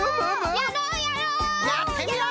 やってみよう！